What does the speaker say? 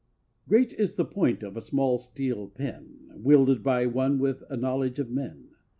Great is the point of a small steel pen, Wielded by one with a knowledge of men.